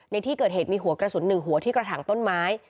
ในที่เกิดเหตุมีหัวกระสุน๑หัวที่กระถางต้นไม้